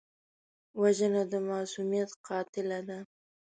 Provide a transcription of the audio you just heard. وژنه د معصومیت قاتله ده